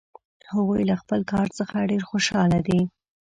هغوی له خپل کار څخه ډېر خوشحال دي